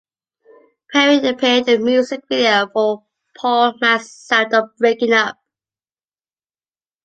Perry appeared in the music video for Paul Mac's "Sound of Breaking Up".